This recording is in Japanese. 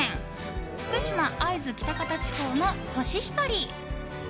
福島・会津喜多方地方のコシヒカリ。